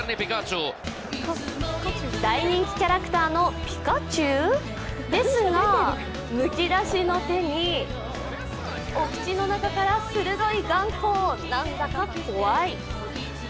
大人気キャラクターのピカチュウ？ですが、むき出しの手に、お口の中から鋭い眼光、なんだか怖い。